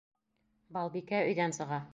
Балбикә өйҙән сыға.